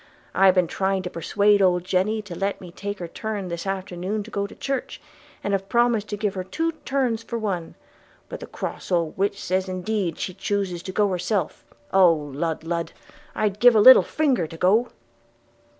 – I've been trying to persuade old Jenny to let me take her turn this a'ternoon to go to church, and have promised to give her two turns for one; but the cross old witch says indeed she chooses to go herself. – Oh lud lud! I'd give a little finger to go.'